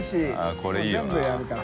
これいいよな。